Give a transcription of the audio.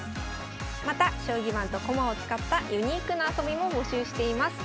また将棋盤と駒を使ったユニークな遊びも募集しています。